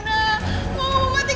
kamu berani tertawa